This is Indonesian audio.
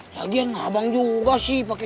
lagian abang juga sih